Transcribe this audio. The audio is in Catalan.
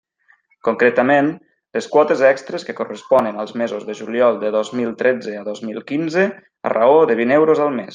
Concretament, les quotes extres que corresponen als mesos de juliol de dos mil tretze a dos mil quinze, a raó de vint euros al mes.